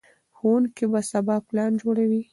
ښوونکي به سبا پلان جوړوي.